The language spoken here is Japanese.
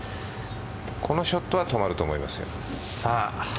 このショットは止まると思います。